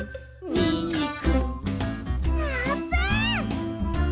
あーぷん。